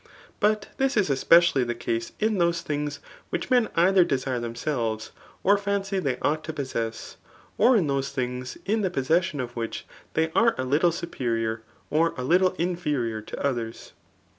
But this i^ especially the case in those thmgs which men either desire themselves, or fimcy they ought to possess ; or in those ditngs, in the posses* non of which they are a little superior, or a litde inferior to others.